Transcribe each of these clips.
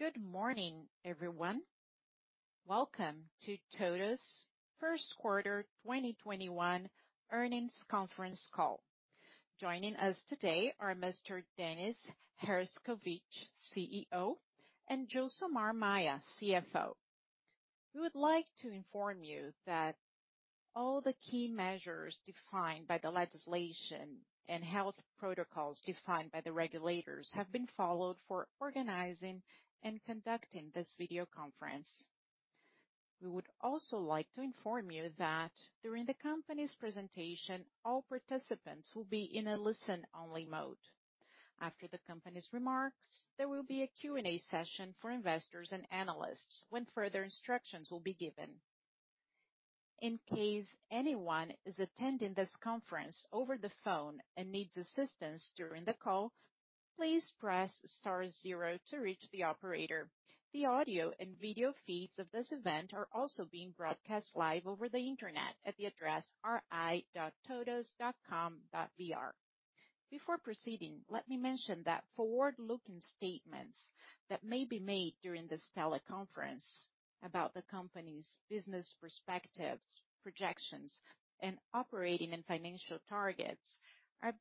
Good morning, everyone. Welcome to TOTVS' first quarter 2021 earnings conference call. Joining us today are Mr. Dennis Herszkowicz, CEO, and Gilsomar Maia, CFO. We would like to inform you that all the key measures defined by the legislation and health protocols defined by the regulators have been followed for organizing and conducting this video conference. We would also like to inform you that during the company's presentation, all participants will be in a listen-only mode. After the company's remarks, there will be a Q&A session for investors and analysts when further instructions will be given. In case anyone is attending this conference over the phone and needs assistance during the call, please press star zero to reach the operator. The audio and video feeds of this event are also being broadcast live over the internet at the address ri.totvs.com.br. Before proceeding, let me mention that forward-looking statements that may be made during this teleconference about the company's business perspectives, projections, and operating and financial targets are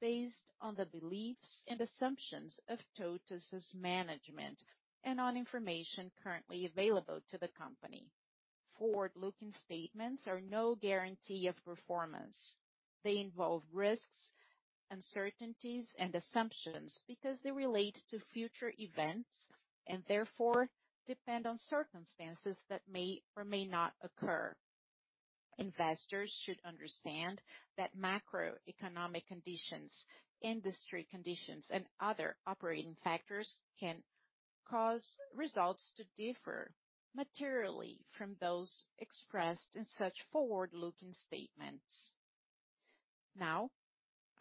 based on the beliefs and assumptions of TOTVS's management and on information currently available to the company. Forward-looking statements are no guarantee of performance. They involve risks, uncertainties, and assumptions because they relate to future events and therefore depend on circumstances that may or may not occur. Investors should understand that macroeconomic conditions, industry conditions, and other operating factors can cause results to differ materially from those expressed in such forward-looking statements.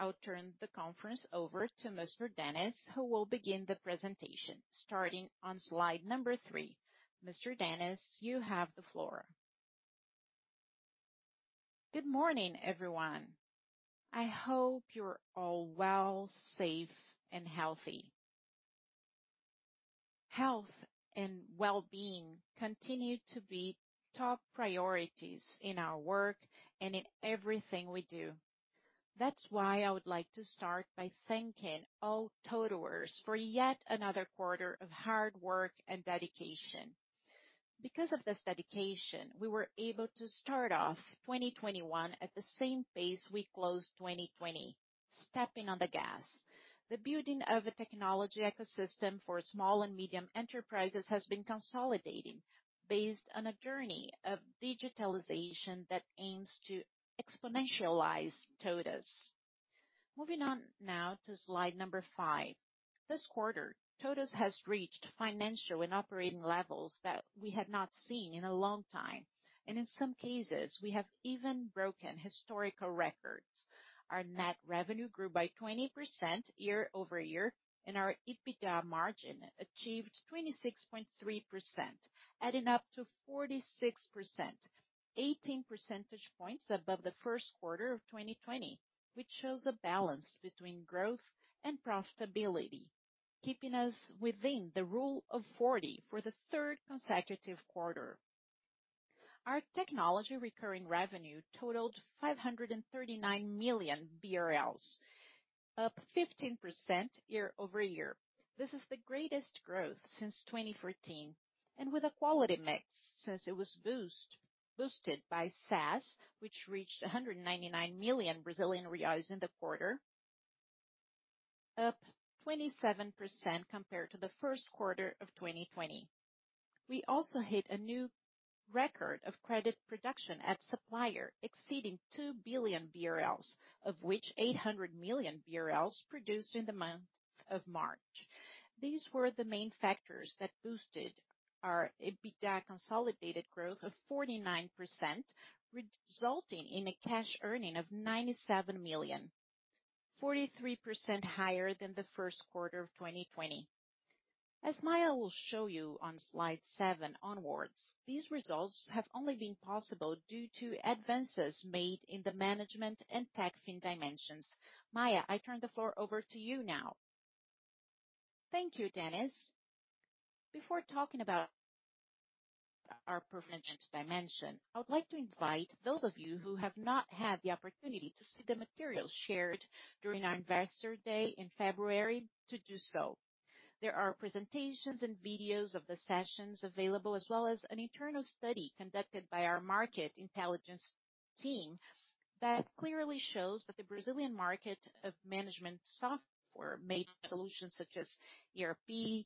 I'll turn the conference over to Mr. Dennis, who will begin the presentation, starting on slide number three. Mr. Dennis, you have the floor. Good morning, everyone. I hope you're all well, safe, and healthy. Health and wellbeing continue to be top priorities in our work and in everything we do. That's why I would like to start by thanking all TOTVers for yet another quarter of hard work and dedication. Because of this dedication, we were able to start off 2021 at the same pace we closed 2020, stepping on the gas. The building of a technology ecosystem for small and medium enterprises has been consolidating based on a journey of digitalization that aims to exponentialize TOTVS. Moving on now to slide number five. This quarter, TOTVS has reached financial and operating levels that we had not seen in a long time, and in some cases, we have even broken historical records. Our net revenue grew by 20% year-over-year. Our EBITDA margin achieved 26.3%, adding up to 46%, 18 percentage points above the first quarter of 2020, which shows a balance between growth and profitability, keeping us within the rule of 40 for the third consecutive quarter. Our technology recurring revenue totaled 539 million BRL, up 15% year-over-year. This is the greatest growth since 2014, with a quality mix since it was boosted by SaaS, which reached 199 million Brazilian reais in the quarter, up 27% compared to the first quarter of 2020. We also hit a new record of credit production at Supplier exceeding 2 billion BRL, of which 800 million BRL produced during the month of March. These were the main factors that boosted our EBITDA consolidated growth of 49%, resulting in a cash earning of 97 million, 43% higher than the first quarter of 2020. As Maia will show you on slide seven onwards, these results have only been possible due to advances made in the management and Techfin dimensions. Maia, I turn the floor over to you now. Thank you, Dennis. Before talking about our prevention dimension, I would like to invite those of you who have not had the opportunity to see the materials shared during our Investor Day in February to do so. There are presentations and videos of the sessions available, as well as an internal study conducted by our market intelligence team that clearly shows that the Brazilian market of management software made solutions such as ERP,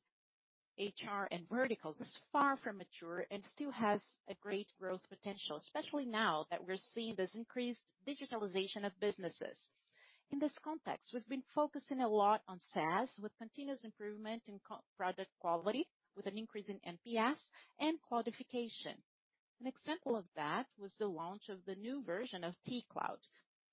HR, and Verticals is far from mature and still has a great growth potential, especially now that we're seeing this increased digitalization of businesses. In this context, we've been focusing a lot on SaaS with continuous improvement in product quality, with an increase in NPS and qualification. An example of that was the launch of the new version of T-Cloud,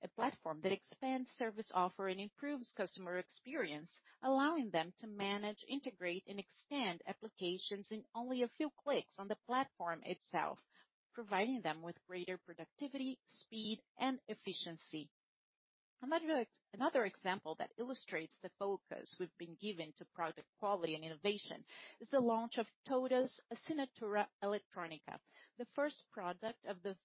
a platform that expands service offer and improves customer experience, allowing them to manage, integrate, and extend applications in only a few clicks on the platform itself, providing them with greater productivity, speed, and efficiency. Another example that illustrates the focus we've been giving to product quality and innovation is the launch of TOTVS Assinatura Eletrônica, the first product of the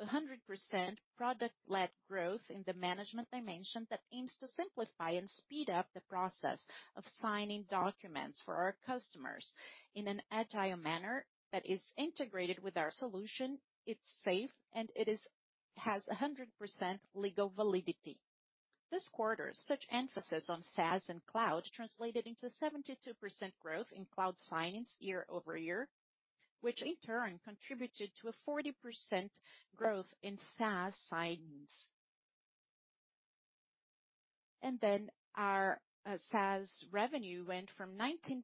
100% product-led growth in the management dimension that aims to simplify and speed up the process of signing documents for our customers in an agile manner that is integrated with our solution. It's safe, and it has 100% legal validity. This quarter, such emphasis on SaaS and cloud translated into 72% growth in cloud signings year-over-year, which in turn contributed to a 40% growth in SaaS signings. Our SaaS revenue went from 19%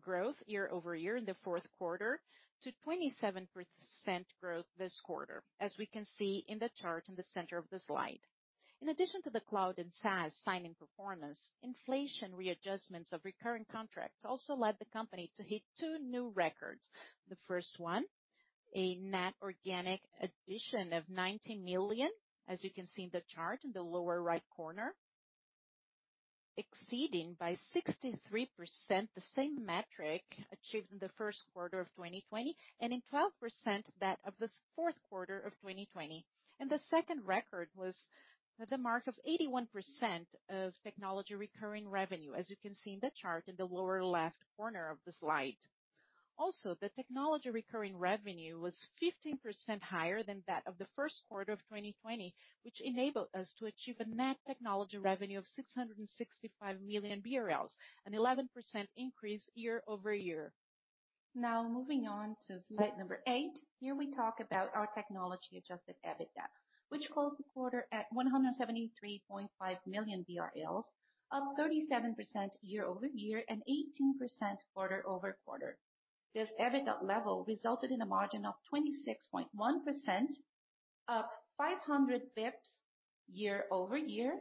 growth year-over-year in the fourth quarter to 27% growth this quarter, as we can see in the chart in the center of the slide. In addition to the cloud and SaaS signing performance, inflation readjustments of recurring contracts also led the company to hit two new records. The first one, a net organic addition of 90 million, as you can see in the chart in the lower right corner, exceeding by 63% the same metric achieved in the first quarter of 2020, and in 12% that of the fourth quarter of 2020. The second record was the mark of 81% of technology recurring revenue, as you can see in the chart in the lower left corner of the slide. The technology recurring revenue was 15% higher than that of the first quarter of 2020, which enabled us to achieve a net technology revenue of 665 million BRL, an 11% increase year-over-year. Moving on to slide number eight. Here we talk about our technology adjusted EBITDA, which closed the quarter at 173.5 million BRL, up 37% year-over-year and 18% quarter-over-quarter. This EBITDA level resulted in a margin of 26.1%, up 500 basis points year-over-year,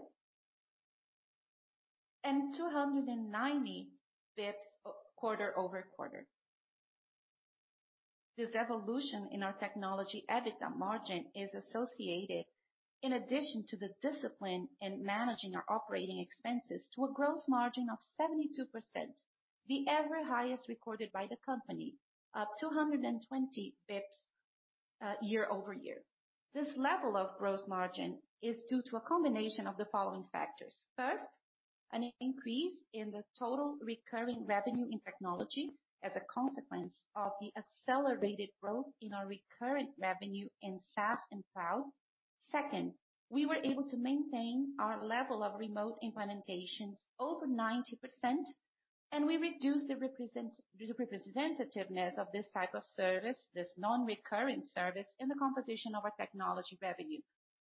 and 290 basis points quarter-over-quarter. This evolution in our technology EBITDA margin is associated, in addition to the discipline in managing our operating expenses, to a gross margin of 72%, the ever highest recorded by the company, up 220 basis points year-over-year. This level of gross margin is due to a combination of the following factors. First, an increase in the total recurring revenue in technology as a consequence of the accelerated growth in our recurring revenue in SaaS and cloud. Second, we were able to maintain our level of remote implementations over 90%, and we reduced the representativeness of this type of service, this non-recurring service, in the composition of our technology revenue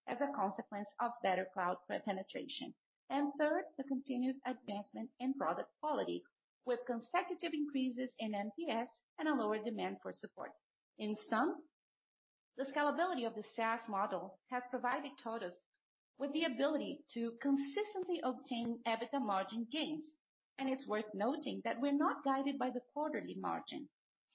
as a consequence of better cloud penetration. Third, the continuous advancement in product quality with consecutive increases in NPS and a lower demand for support. In sum, the scalability of the SaaS model has provided TOTVS with the ability to consistently obtain EBITDA margin gains, and it's worth noting that we're not guided by the quarterly margin,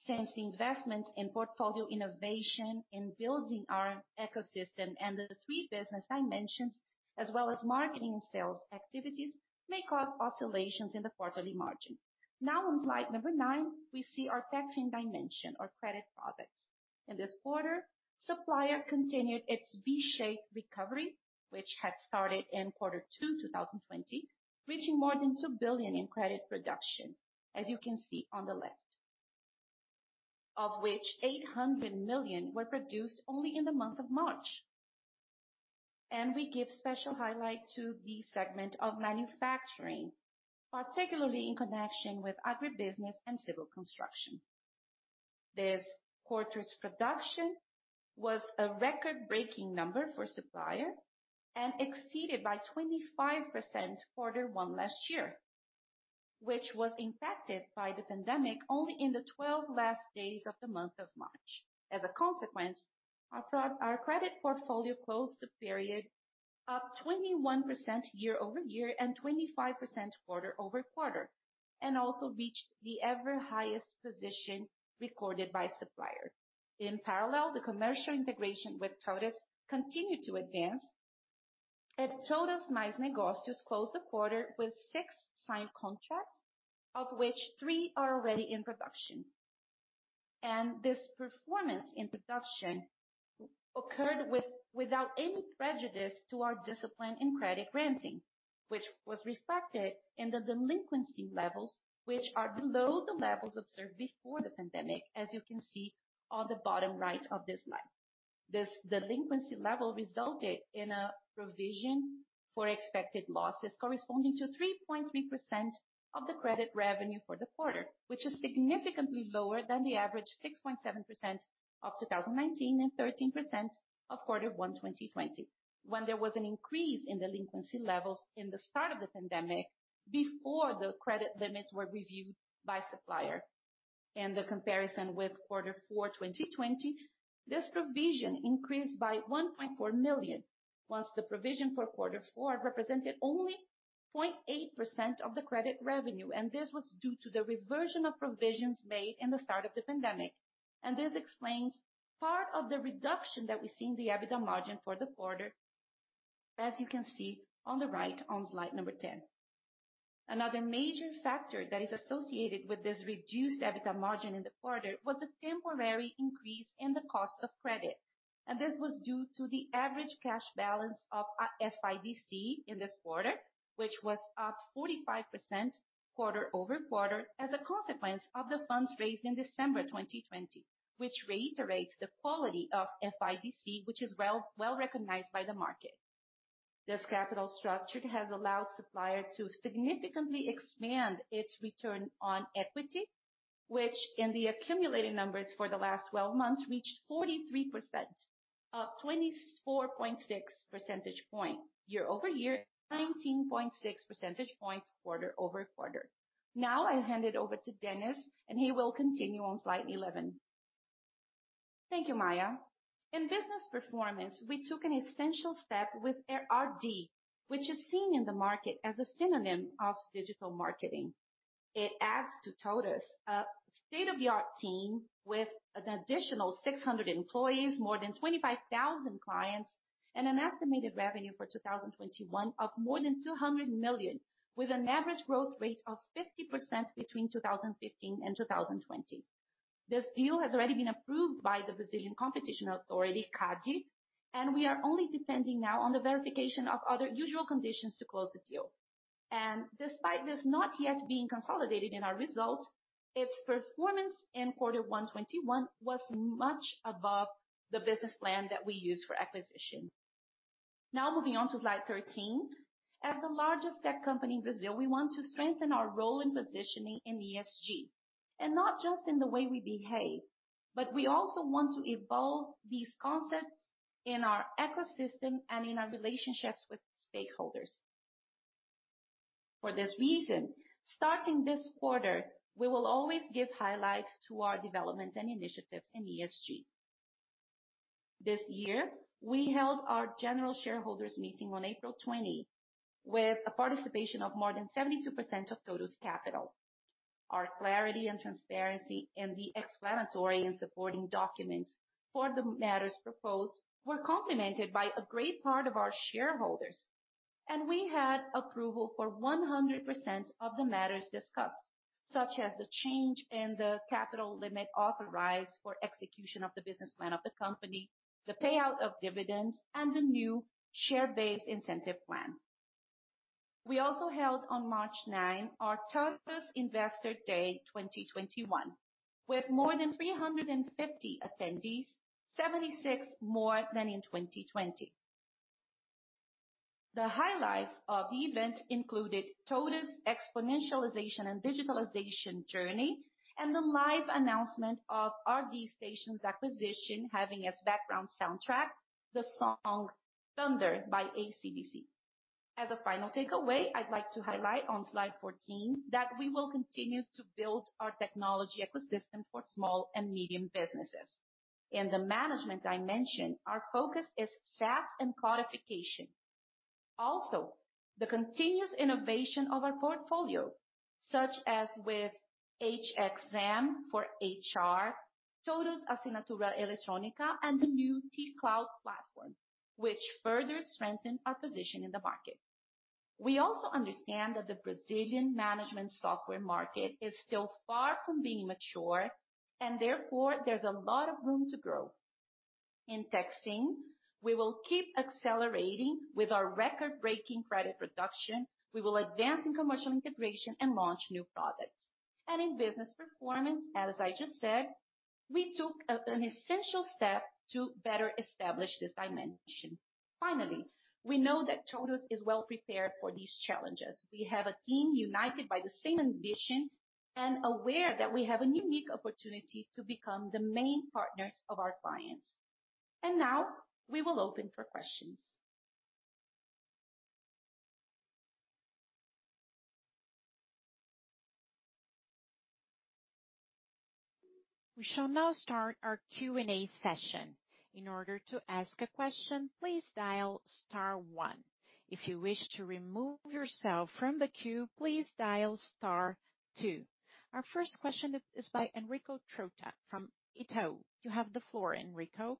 since the investments in portfolio innovation, in building our ecosystem and the three business dimensions, as well as marketing and sales activities, may cause oscillations in the quarterly margin. Now on slide number nine, we see our Techfin dimension, our credit products. In this quarter, Supplier continued its V-shaped recovery, which had started in Q2 2020, reaching more than 2 billion in credit production, as you can see on the left, of which 800 million were produced only in the month of March. We give special highlight to the segment of manufacturing, particularly in connection with agribusiness and civil construction. This quarter's production was a record-breaking number for Supplier and exceeded by 25% quarter one last year, which was impacted by the pandemic only in the 12 last days of the month of March. As a consequence, our credit portfolio closed the period up 21% year-over-year and 25% quarter-over-quarter, and also reached the ever highest position recorded by Supplier. In parallel, the commercial integration with TOTVS continued to advance, and TOTVS Mais Negócios closed the quarter with six signed contracts, of which three are already in production. This performance in production occurred without any prejudice to our discipline in credit granting, which was reflected in the delinquency levels, which are below the levels observed before the pandemic, as you can see on the bottom right of this slide. This delinquency level resulted in a provision for expected losses corresponding to 3.3% of the credit revenue for the quarter, which is significantly lower than the average 6.7% of 2019 and 13% of quarter one 2020, when there was an increase in delinquency levels in the start of the pandemic before the credit limits were reviewed by Supplier. The comparison with quarter four 2020, this provision increased by 1.4 million, whilst the provision for quarter four represented only 0.8% of the credit revenue, and this was due to the reversion of provisions made in the start of the pandemic. This explains part of the reduction that we see in the EBITDA margin for the quarter, as you can see on the right on slide number 10. Another major factor that is associated with this reduced EBITDA margin in the quarter was a temporary increase in the cost of credit. This was due to the average cash balance of FIDC in this quarter, which was up 45% quarter-over-quarter as a consequence of the funds raised in December 2020, which reiterates the quality of FIDC, which is well recognized by the market. This capital structure has allowed Supplier to significantly expand its return on equity, which in the accumulated numbers for the last 12 months reached 43%, up 24.6 percentage point year-over-year, 19.6 percentage points quarter-over-quarter. I hand it over to Dennis and he will continue on slide 11. Thank you, Maia. In business performance, we took an essential step with RD, which is seen in the market as a synonym of digital marketing. It adds to TOTVS a state-of-the-art team with an additional 600 employees, more than 25,000 clients, and an estimated revenue for 2021 of more than 200 million, with an average growth rate of 50% between 2015 and 2020. This deal has already been approved by the Brazilian Competition Authority, CADE, we are only depending now on the verification of other usual conditions to close the deal. Despite this not yet being consolidated in our result, its performance in Q1 2021 was much above the business plan that we used for acquisition. Now moving on to slide 13. As the largest tech company in Brazil, we want to strengthen our role in positioning in ESG. Not just in the way we behave, but we also want to evolve these concepts in our ecosystem and in our relationships with stakeholders. For this reason, starting this quarter, we will always give highlights to our developments and initiatives in ESG. This year, we held our general shareholders meeting on April 20 with a participation of more than 72% of TOTVS capital. Our clarity and transparency and the explanatory and supporting documents for the matters proposed were complemented by a great part of our shareholders. We had approval for 100% of the matters discussed, such as the change in the capital limit authorized for execution of the business plan of the company, the payout of dividends, and the new share-based incentive plan. We also held on March 9 our TOTVS Investor Day 2021, with more than 350 attendees, 76 more than in 2020. The highlights of the event included TOTVS exponentialization and digitalization journey, and the live announcement of RD Station acquisition having as background soundtrack, the song "Thunder" by AC/DC. As a final takeaway, I'd like to highlight on slide 14 that we will continue to build our technology ecosystem for small and medium businesses. In the management dimension, our focus is SaaS and cloudification. The continuous innovation of our portfolio, such as with HXM for HR, TOTVS Assinatura Eletrônica, and the new T-Cloud platform, which further strengthen our position in the market. We also understand that the Brazilian management software market is still far from being mature, and therefore, there's a lot of room to grow. In Techfin, we will keep accelerating with our record-breaking credit production. We will advance in commercial integration and launch new products. In business performance, as I just said, we took an essential step to better establish this dimension. Finally, we know that TOTVS is well prepared for these challenges. We have a team united by the same ambition and aware that we have a unique opportunity to become the main partners of our clients. Now we will open for questions. We shall now start our Q&A session. In order to ask a question, please dial star, one. If you wish to remove yourself from the queue, please dial star two. Our first question is by Enrico Trotta from Itaú. You have the floor, Enrico.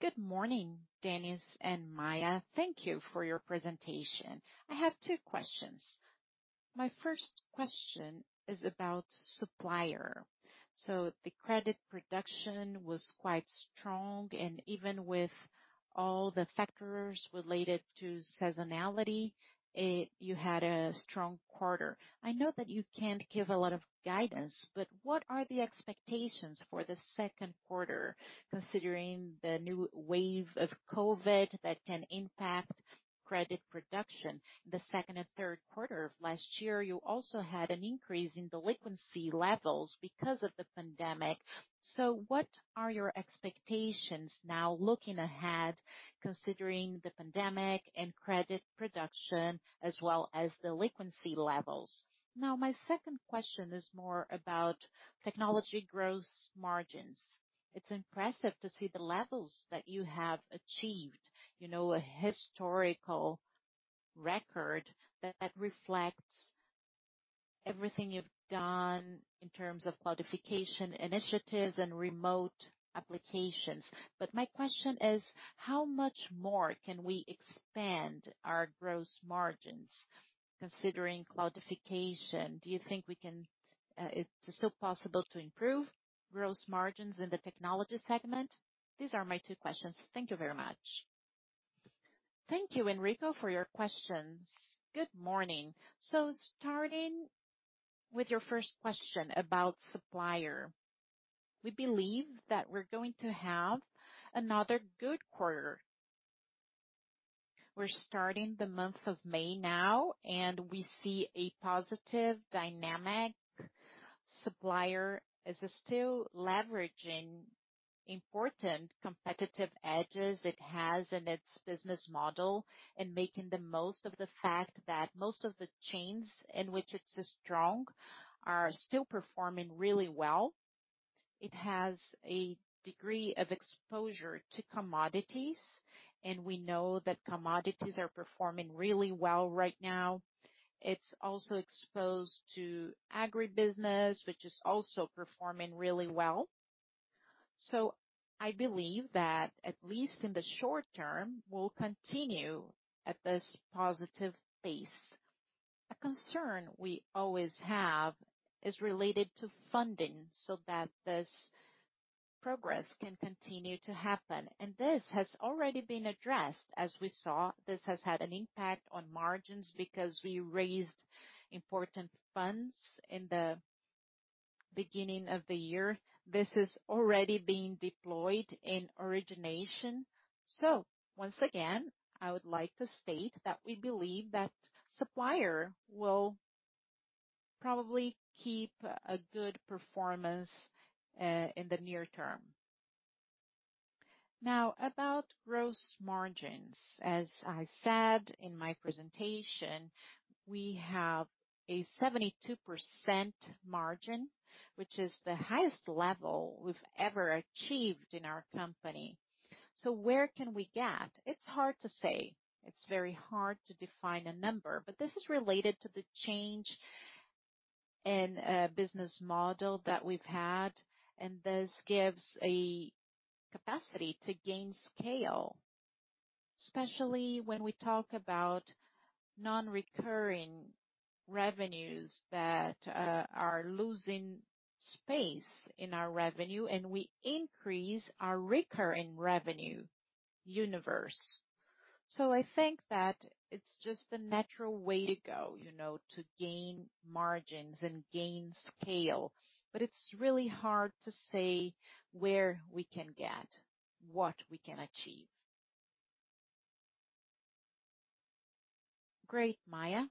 Good morning, Dennis and Maia, thank you for your presentation. I have two questions. My first question is about Supplier. The credit production was quite strong, and even with all the factors related to seasonality, you had a strong quarter. I know that you can't give a lot of guidance, but what are the expectations for the second quarter considering the new wave of COVID that can impact credit production? The second and third quarter of last year, you also had an increase in delinquency levels because of the pandemic. What are your expectations now looking ahead considering the pandemic and credit production as well as delinquency levels? Now, my second question is more about technology gross margins. It's impressive to see the levels that you have achieved. A historical record that reflects. Everything you've done in terms of cloudification initiatives and remote applications, but my question is, how much more can we expand our gross margins considering cloudification? Do you think it's still possible to improve gross margins in the technology segment? These are my two questions. Thank you very much. Thank you, Enrico, for your questions. Good morning. Starting with your first question about Supplier, we believe that we're going to have another good quarter. We're starting the month of May now, and we see a positive dynamic. Supplier is still leveraging important competitive edges it has in its business model and making the most of the fact that most of the chains in which it's strong are still performing really well. It has a degree of exposure to commodities, and we know that commodities are performing really well right now. It's also exposed to agribusiness, which is also performing really well. I believe that, at least in the short term, we'll continue at this positive pace. A concern we always have is related to funding so that this progress can continue to happen. This has already been addressed. As we saw, this has had an impact on margins because we raised important funds in the beginning of the year. This is already being deployed in origination. Once again, I would like to state that we believe that Supplier will probably keep a good performance in the near term. About gross margins. As I said in my presentation, we have a 72% margin, which is the highest level we've ever achieved in our company. Where can we get? It's hard to say. It's very hard to define a number, but this is related to the change in business model that we've had, and this gives a capacity to gain scale, especially when we talk about non-recurring revenues that are losing space in our revenue and we increase our recurring revenue universe. I think that it's just the natural way to go, to gain margins and gain scale. It's really hard to say where we can get, what we can achieve. Great, Maia.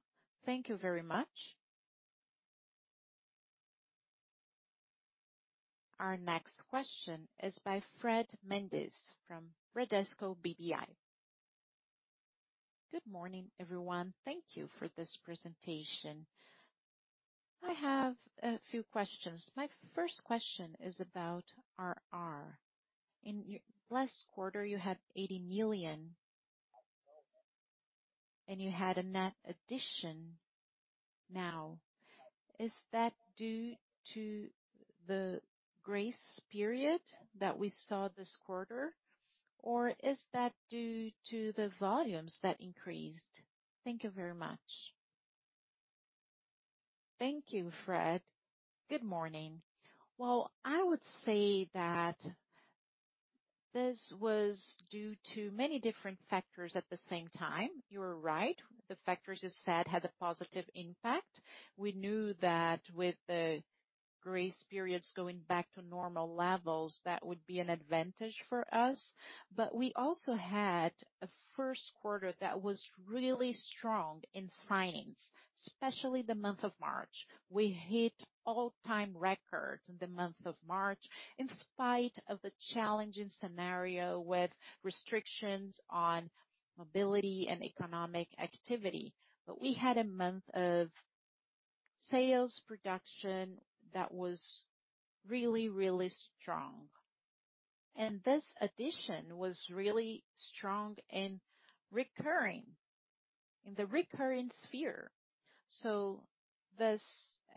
Thank you very much. Our next question is by Fred Mendes from Bradesco BBI. Good morning, everyone. Thank you for this presentation. I have a few questions. My first question is about ARR. In last quarter, you had 80 million, and you had a net addition. Is that due to the grace period that we saw this quarter, or is that due to the volumes that increased? Thank you very much. Thank you, Fred, good morning. Well, I would say that this was due to many different factors at the same time. You are right, the factors you said had a positive impact. We knew that with the grace periods going back to normal levels, that would be an advantage for us. We also had a first quarter that was really strong in signings, especially the month of March. We hit all-time records in the month of March in spite of the challenging scenario with restrictions on mobility and economic activity. We had a month of sales production that was really strong. This addition was really strong in the recurring sphere. This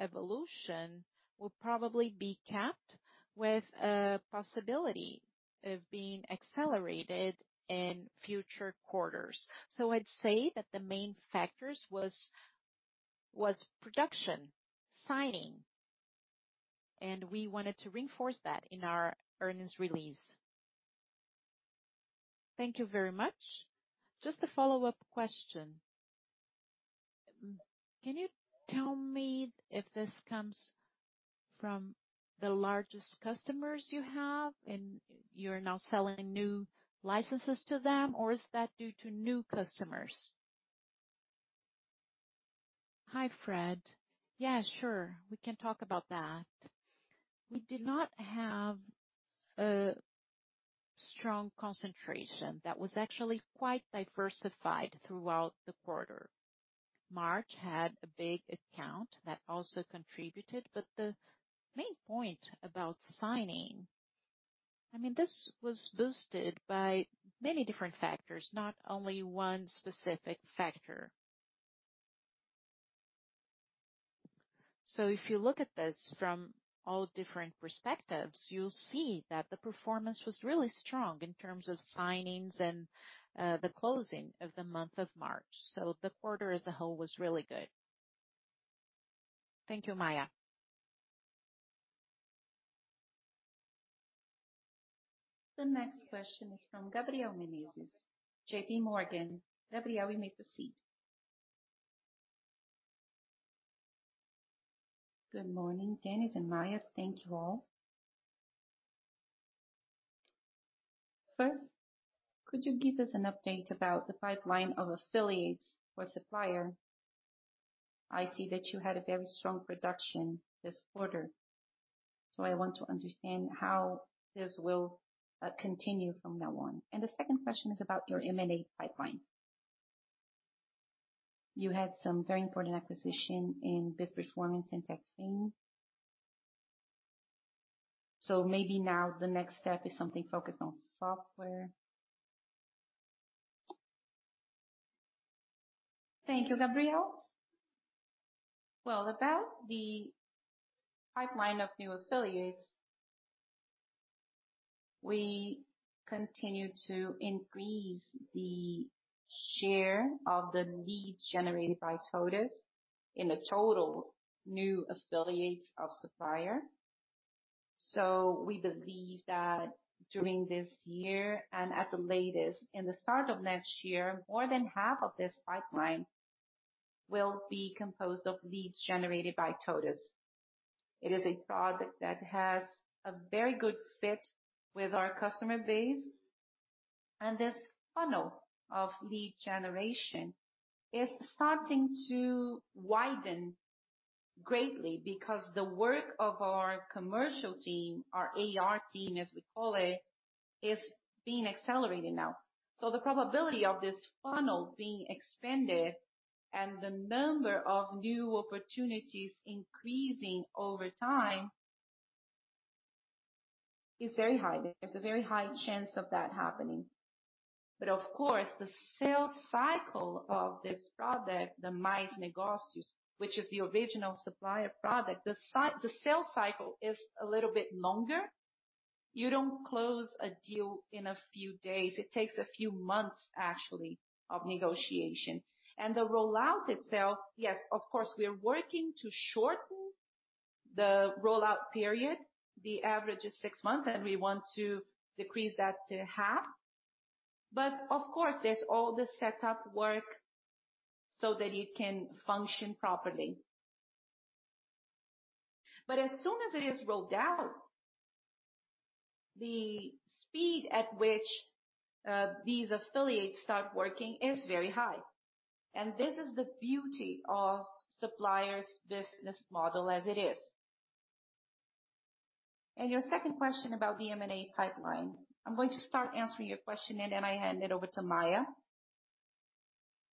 evolution will probably be capped with a possibility of being accelerated in future quarters. I'd say that the main factors was production, signing, and we wanted to reinforce that in our earnings release. Thank you very much. Just a follow-up question. Can you tell me if this comes from the largest customers you have and you're now selling new licenses to them, or is that due to new customers? Hi, Fred. Yeah, sure. We can talk about that. We did not have a strong concentration. That was actually quite diversified throughout the quarter. March had a big account that also contributed, but the main point about signing This was boosted by many different factors, not only one specific factor. If you look at this from all different perspectives, you'll see that the performance was really strong in terms of signings and the closing of the month of March. The quarter as a whole was really good. Thank you, Maia. The next question is from Gabriel Menezes, JPMorgan. Gabriel, you may proceed. Good morning, Dennis and Maia. Thank you all. First, could you give us an update about the pipeline of affiliates for Supplier? I see that you had a very strong production this quarter, I want to understand how this will continue from now on. The second question is about your M&A pipeline. You had some very important acquisition in business performance and Techfin. Maybe now the next step is something focused on software. Thank you, Gabriel. Well, about the pipeline of new affiliates, we continue to increase the share of the leads generated by TOTVS in the total new affiliates of Supplier. We believe that during this year, and at the latest, in the start of next year, more than half of this pipeline will be composed of leads generated by TOTVS. It is a product that has a very good fit with our customer base. This funnel of lead generation is starting to widen greatly because the work of our commercial team, our AR team, as we call it, is being accelerated now. The probability of this funnel being expanded and the number of new opportunities increasing over time is very high. There's a very high chance of that happening. Of course, the sales cycle of this product, the Mais Negócios, which is the original Supplier product, the sales cycle is a little bit longer. You don't close a deal in a few days. It takes a few months, actually, of negotiation. The rollout itself, yes, of course, we are working to shorten the rollout period. The average is six months, and we want to decrease that to half, but of course, there's all the setup work so that it can function properly. As soon as it is rolled out, the speed at which these affiliates start working is very high, and this is the beauty of Supplier's business model as it is. Your second question about the M&A pipeline. I'm going to start answering your question, and then I hand it over to Maia.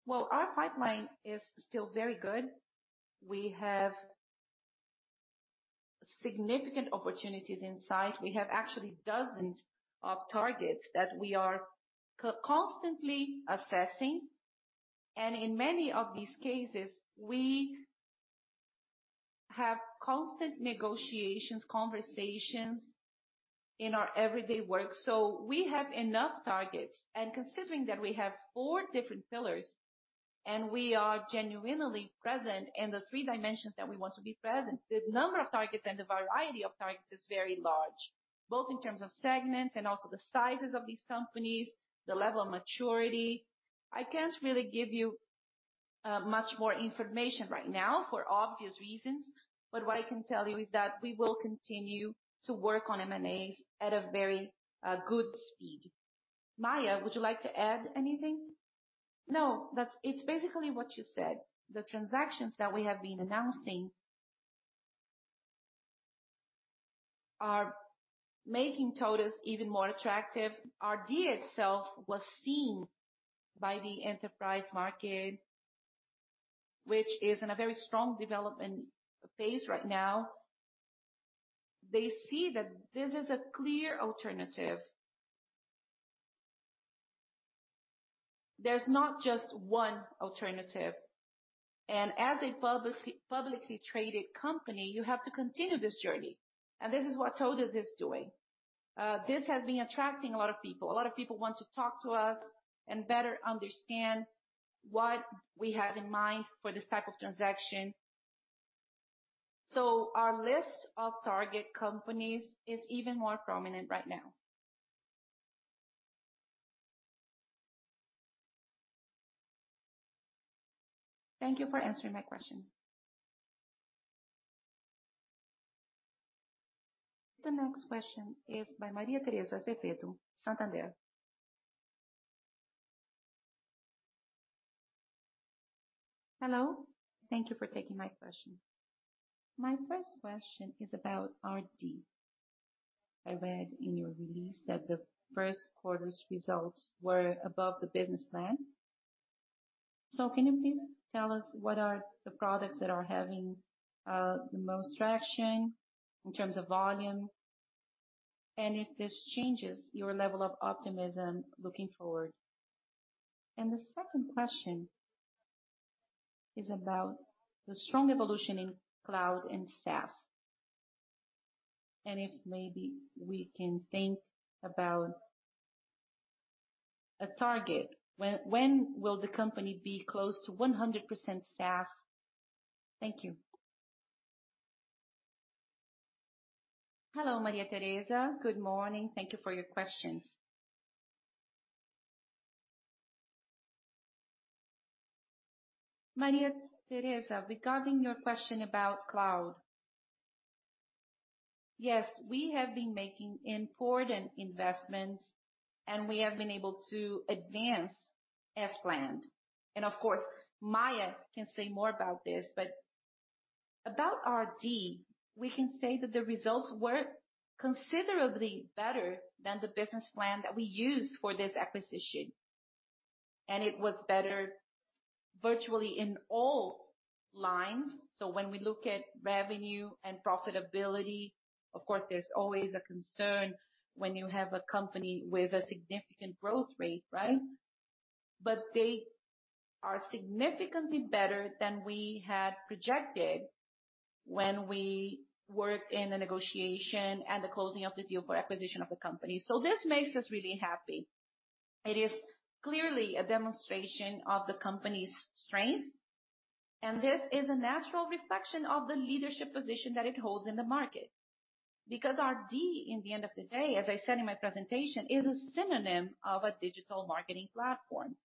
Our pipeline is still very good. We have significant opportunities in sight, we have actually dozens of targets that we are constantly assessing, and in many of these cases, we have constant negotiations, conversations in our everyday work. We have enough targets, and considering that we have four different pillars and we are genuinely present in the three dimensions that we want to be present, the number of targets and the variety of targets is very large, both in terms of segments and also the sizes of these companies, the level of maturity. I can't really give you much more information right now for obvious reasons. What I can tell you is that we will continue to work on M&As at a very good speed. Maia, would you like to add anything? No. It's basically what you said. The transactions that we have been announcing are making TOTVS even more attractive. RD itself was seen by the enterprise market, which is in a very strong development phase right now. They see that this is a clear alternative. There's not just one alternative, and as a publicly traded company, you have to continue this journey, and this is what TOTVS is doing. This has been attracting a lot of people, a lot of people want to talk to us and better understand what we have in mind for this type of transaction. Our list of target companies is even more prominent right now. Thank you for answering my question. The next question is by Maria Tereza Azevedo, Santander. Hello, thank you for taking my question. My first question is about RD. I read in your release that the first quarter's results were above the business plan. Can you please tell us what are the products that are having the most traction in terms of volume, and if this changes your level of optimism looking forward? The second question is about the strong evolution in cloud and SaaS, and if maybe we can think about a target. When will the company be close to 100% SaaS? Thank you. Hello, Maria Tereza, good morning. Thank you for your questions. Maria Tereza, regarding your question about cloud. Yes, we have been making important investments, and we have been able to advance as planned. Of course, Maia can say more about this. About RD, we can say that the results were considerably better than the business plan that we used for this acquisition. It was better virtually in all lines. When we look at revenue and profitability, of course, there's always a concern when you have a company with a significant growth rate, right? They are significantly better than we had projected when we worked in the negotiation and the closing of the deal for acquisition of the company. This makes us really happy. It is clearly a demonstration of the company's strength, and this is a natural reflection of the leadership position that it holds in the market. RD, in the end of the day, as I said in my presentation, is a synonym of a digital marketing platform.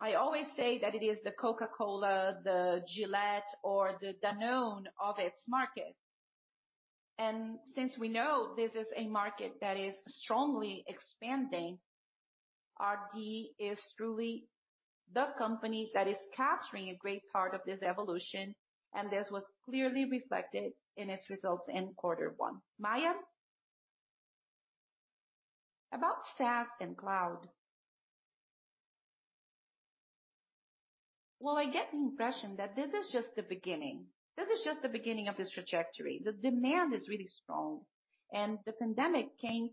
I always say that it is the Coca-Cola, the Gillette, or the Danone of its market. Since we know this is a market that is strongly expanding, RD is truly the company that is capturing a great part of this evolution, and this was clearly reflected in its results in quarter one. Maia? About SaaS and cloud. I get the impression that this is just the beginning. This is just the beginning of this trajectory, the demand is really strong, and the pandemic came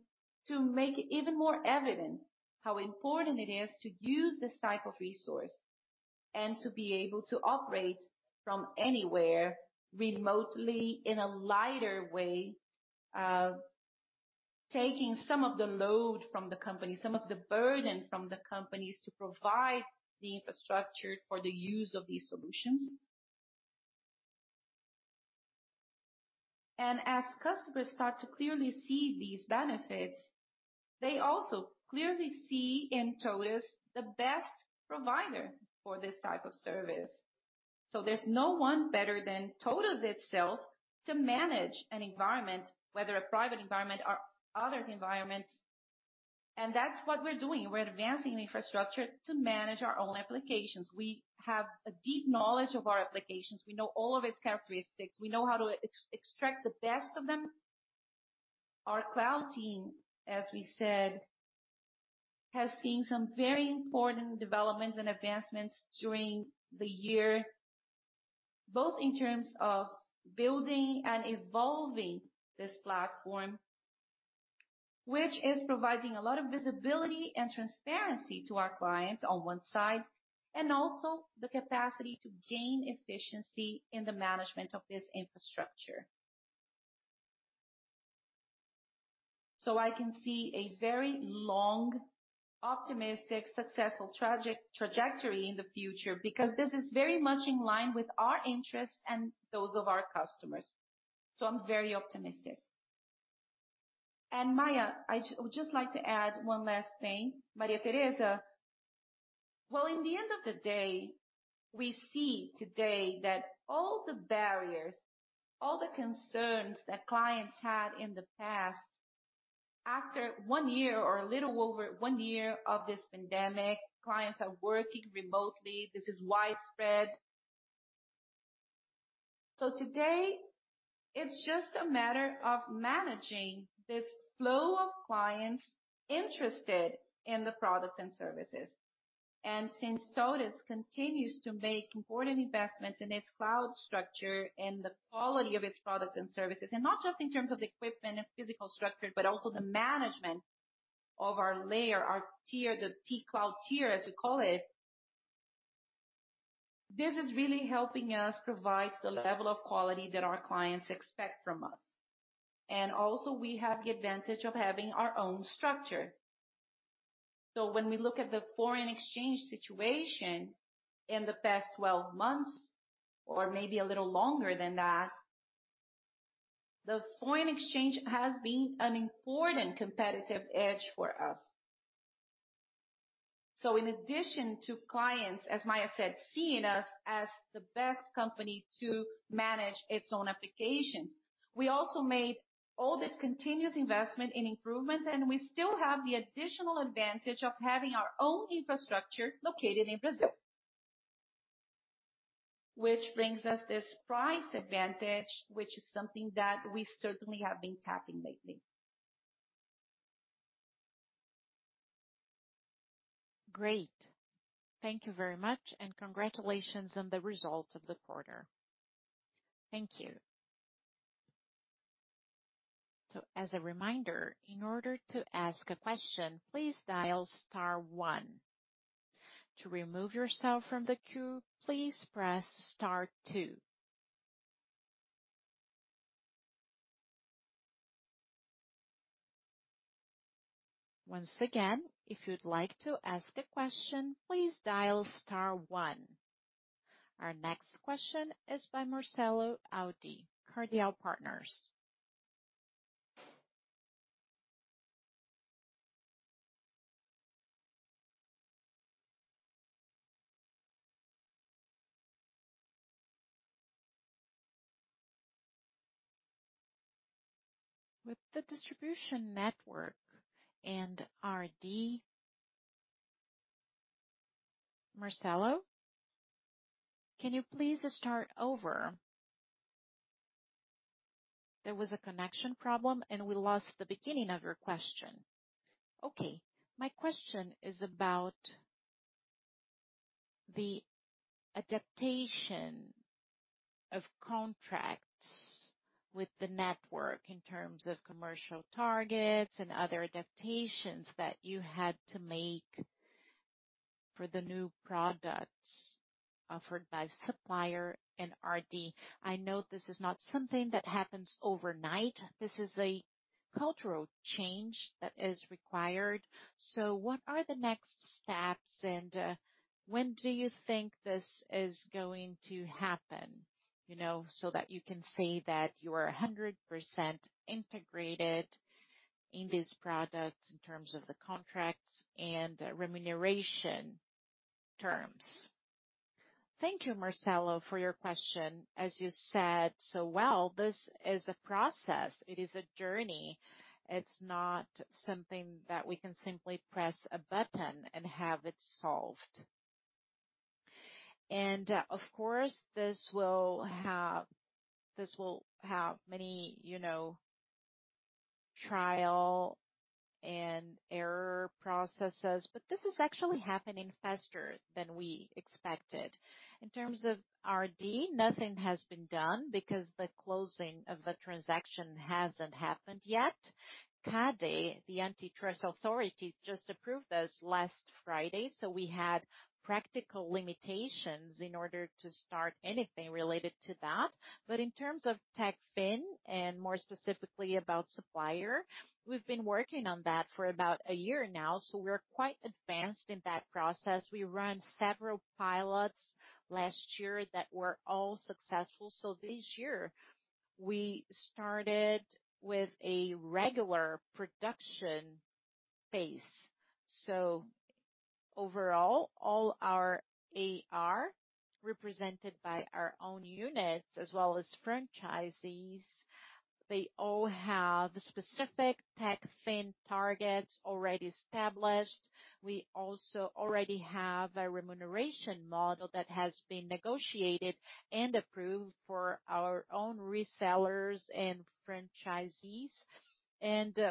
to make it even more evident how important it is to use this type of resource, and to be able to operate from anywhere remotely in a lighter way, taking some of the load from the company, some of the burden from the companies to provide the infrastructure for the use of these solutions. As customers start to clearly see these benefits, they also clearly see in TOTVS the best provider for this type of service. There's no one better than TOTVS itself to manage an environment, whether a private environment or others environments. That's what we're doing. We're advancing the infrastructure to manage our own applications. We have a deep knowledge of our applications. We know all of its characteristics. We know how to extract the best of them. Our cloud team, as we said, has seen some very important developments and advancements during the year, both in terms of building and evolving this platform, which is providing a lot of visibility and transparency to our clients on one side, and also the capacity to gain efficiency in the management of this infrastructure. I can see a very long, optimistic, successful trajectory in the future because this is very much in line with our interests and those of our customers. I'm very optimistic. Maia, I would just like to add one last thing. Maria Tereza, well, in the end of the day, we see today that all the barriers, all the concerns that clients had in the past, after one year or a little over one year of this pandemic, clients are working remotely. This is widespread. Today, it's just a matter of managing this flow of clients interested in the products and services. Since TOTVS continues to make important investments in its cloud structure and the quality of its products and services, and not just in terms of equipment and physical structure, but also the management of our layer, our tier, the T-Cloud tier, as we call it. This is really helping us provide the level of quality that our clients expect from us. Also we have the advantage of having our own structure. When we look at the foreign exchange situation in the past 12 months, or maybe a little longer than that, the foreign exchange has been an important competitive edge for us. In addition to clients, as Maia said, seeing us as the best company to manage its own applications, we also made all this continuous investment in improvements, and we still have the additional advantage of having our own infrastructure located in Brazil. Which brings us this price advantage, which is something that we certainly have been tapping lately. Great. Thank you very much, and congratulations on the results of the quarter. Thank you. As a reminder, in order to ask a question, please dial star one. To remove yourself from the queue, please press star two. Once again, if you'd like to ask a question, please dial star one. Our next question is by Marcelo Audi, Cardinal Partners. With the distribution network and RD. Marcelo, can you please start over? There was a connection problem, and we lost the beginning of your question. Okay. My question is about the adaptation of contracts with the network in terms of commercial targets and other adaptations that you had to make for the new products offered by Supplier and RD. I know this is not something that happens overnight. This is a cultural change that is required. What are the next steps, and when do you think this is going to happen? That you can say that you are 100% integrated in these products in terms of the contracts and remuneration terms. Thank you, Marcelo, for your question. As you said so well, this is a process, it is a journey, it's not something that we can simply press a button and have it solved. Of course, this will have many trial and error processes, but this is actually happening faster than we expected. In terms of RD, nothing has been done because the closing of the transaction hasn't happened yet. CADE, the antitrust authority, just approved us last Friday, so we had practical limitations in order to start anything related to that. In terms of Techfin, and more specifically about Supplier, we've been working on that for about a year now, so we're quite advanced in that process. We ran several pilots last year that were all successful, so this year, we started with a regular production phase. Overall, all our AR, represented by our own units as well as franchisees, they all have specific Techfin targets already established. We also already have a remuneration model that has been negotiated and approved for our own resellers and franchisees.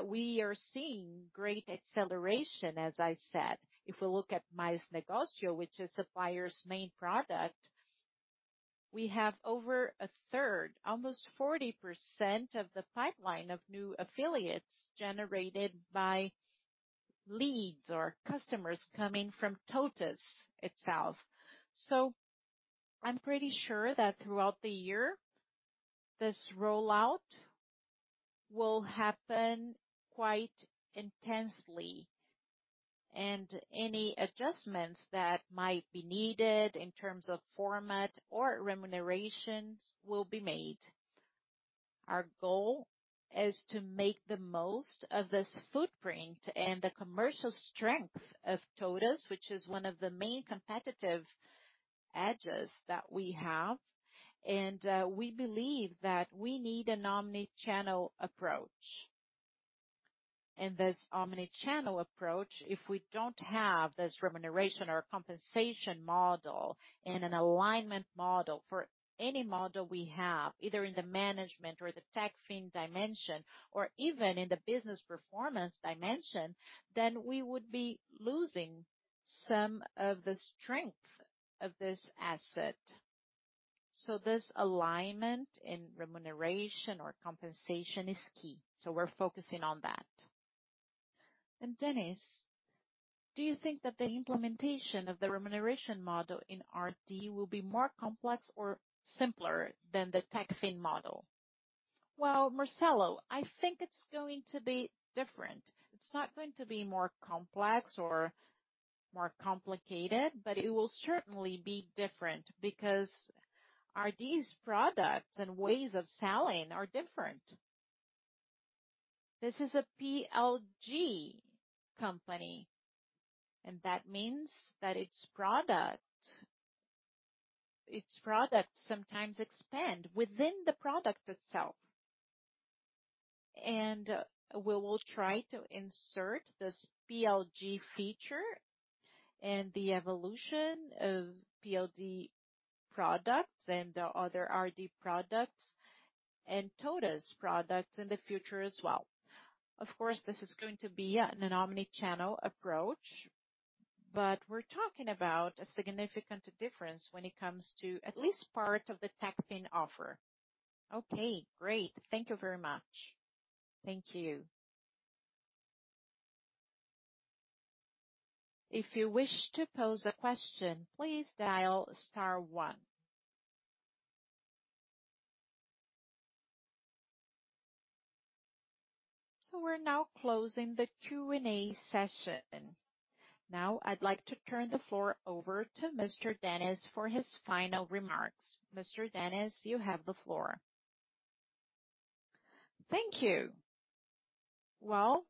We are seeing great acceleration, as I said. If we look at Mais Negócios, which is Supplier's main product, we have over a third, almost 40% of the pipeline of new affiliates generated by leads or customers coming from TOTVS itself. I'm pretty sure that throughout the year, this rollout will happen quite intensely, and any adjustments that might be needed in terms of format or remunerations will be made. Our goal is to make the most of this footprint and the commercial strength of TOTVS, which is one of the main competitive edges that we have. We believe that we need an omni-channel approach. This omni-channel approach, if we don't have this remuneration or compensation model and an alignment model for any model we have, either in the management or the TechFin dimension, or even in the business performance dimension, then we would be losing some of the strength of this asset. This alignment in remuneration or compensation is key. We're focusing on that. Dennis, do you think that the implementation of the remuneration model in RD will be more complex or simpler than the Techfin model? Well, Marcelo, I think it's going to be different. It's not going to be more complex or more complicated, but it will certainly be different because RD's products and ways of selling are different. This is a PLG company, that means that its products sometimes expand within the product itself. We will try to insert this PLG feature and the evolution of PLG products and other RD products and TOTVS products in the future as well. Of course, this is going to be an omni-channel approach, we're talking about a significant difference when it comes to at least part of the Techfin offer. Okay, great. Thank you very much. Thank you. If you wish to pose a question, please dial star, one. We're now closing the Q&A session. Now I'd like to turn the floor over to Mr. Dennis for his final remarks. Mr. Dennis, you have the floor. Thank you. Well,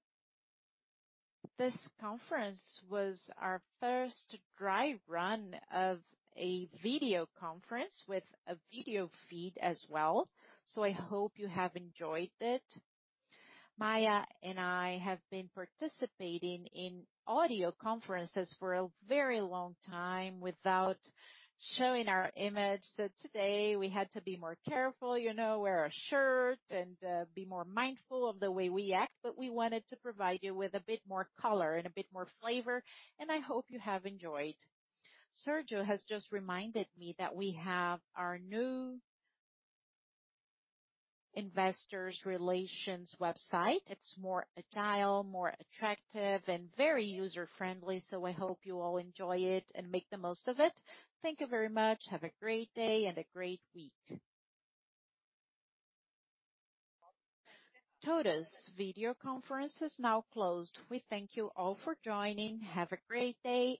this conference was our first dry run of a video conference with a video feed as well, so I hope you have enjoyed it. Maia and I have been participating in audio conferences for a very long time without showing our image. Today, we had to be more careful, wear a shirt and be more mindful of the way we act. We wanted to provide you with a bit more color and a bit more flavor, and I hope you have enjoyed. Sergio has just reminded me that we have our new Investor Relations website. It's more agile, more attractive, and very user-friendly. I hope you all enjoy it and make the most of it. Thank you very much. Have a great day and a great week. TOTVS video conference is now closed. We thank you all for joining. Have a great day.